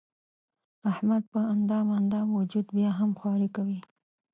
احمد په اندام اندام وجود بیا هم خواري کوي.